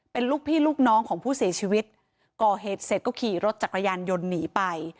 เป็นลูกพี่ลูกน้องของผู้เสียชีวิตก่อเหตุเสร็จก็ขี่รถจักรยานยนต์หนีไป